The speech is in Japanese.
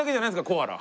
コアラ。